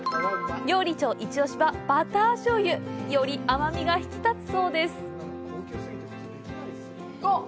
料理長一推しは、バター醤油。より甘みが引き立つそうです。